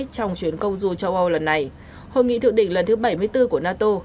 trong chuyến công du châu âu lần này hội nghị thượng đỉnh lần thứ bảy mươi bốn của nato